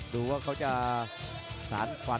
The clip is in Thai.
หัวจิตหัวใจแก่เกินร้อยครับ